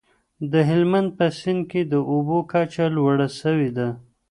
د هلمند په سیند کي د اوبو کچه لوړه سوې ده.